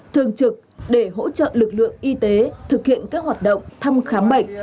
thường trực để hỗ trợ lực lượng y tế thực hiện các hoạt động thăm khám bệnh